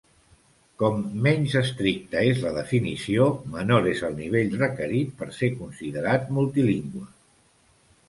Com menys estricta és la definició, menor és el nivell requerit per ser considerat multilingüe.